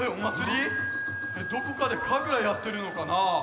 どこかでかぐらやってるのかな？